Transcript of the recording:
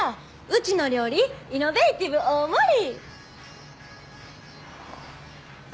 うちの料理イノベーティブ大盛り！